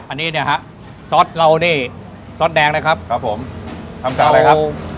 อันนี้เนี่ยฮะซอสเรานี่ซอสแดงนะครับครับผมทำจากอะไรครับ